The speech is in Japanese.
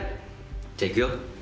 じゃ行くよ。